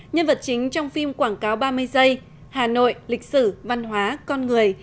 nhân vật chính trong phim quảng cáo ba mươi giây hà nội lịch sử văn hóa con người